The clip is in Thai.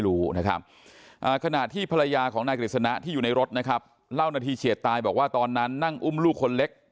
เล่าหน้าที่เฉียดตายตอนนั้นนั่งอุ้มลูกคนเล็ก